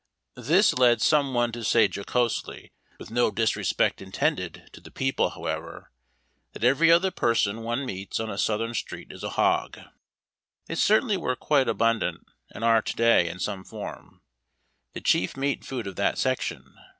Tliis 110 11 ABB TACK AND COFFEE. led some one to say jocosely, with no disrespect intended to the people however, " that every other person one meets on a Southern street is a hog." They certainly were quite abundant, and are to day, in some form, the chief meat food of that section.